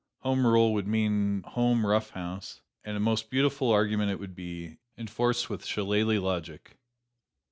Home rule would mean home rough house and a most beautiful argument it would be, enforced with shillalah logic.